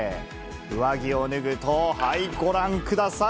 上着を脱ぐと、はい、ご覧ください。